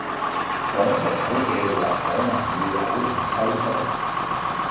講出口嘅話可能會嘔同抽搐